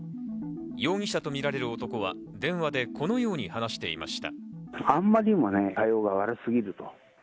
容疑者とみられる男は電話で、このように話していました。